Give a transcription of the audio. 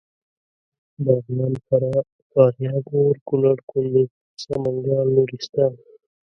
باميان فراه فاریاب غور کنړ کندوز سمنګان نورستان